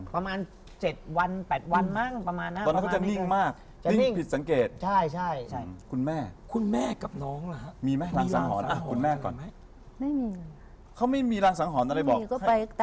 โปรดติดต่อ